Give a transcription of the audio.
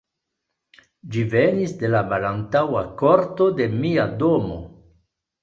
Ĝi venis de la malantaŭa korto, de mia domo.